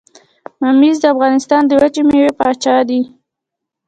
ممیز د افغانستان د وچې میوې پاچا دي.